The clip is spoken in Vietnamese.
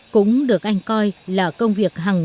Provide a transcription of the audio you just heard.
cũng được anh coi là công việc hàng tuần